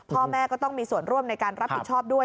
พ่อแม่ก็ต้องมีส่วนร่วมในการรับผิดชอบด้วย